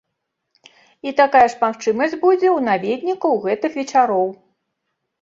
І такая ж магчымасць будзе ў наведнікаў гэтых вечароў.